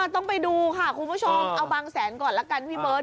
ต้องไปดูค่ะคุณผู้ชมเอาบางแสนก่อนละกันพี่เบิร์ต